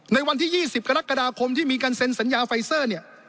ในวันที่๒๐กรกฎาคมที่มีการเซ็นสัญญาไฟเซอร์เนี่ย